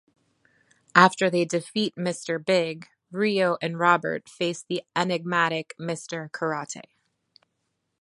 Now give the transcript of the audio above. After they defeat Mr. Big, Ryo and Robert face the enigmatic Mr. Karate.